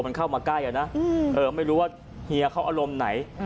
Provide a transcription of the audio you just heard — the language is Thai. มันเข้ามาใกล้อะนะไม่รู้ว่าเฮียเขาอารมณ์ไหน